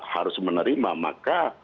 harus menerima maka